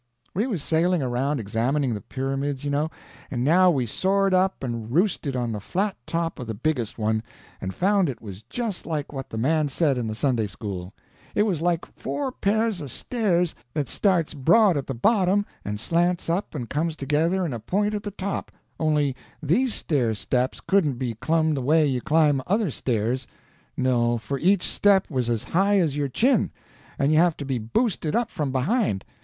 We was sailing around examining the pyramids, you know, and now we soared up and roosted on the flat top of the biggest one, and found it was just like what the man said in the Sunday school. It was like four pairs of stairs that starts broad at the bottom and slants up and comes together in a point at the top, only these stair steps couldn't be clumb the way you climb other stairs; no, for each step was as high as your chin, and you have to be boosted up from behind.